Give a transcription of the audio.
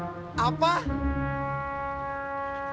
ya allah bu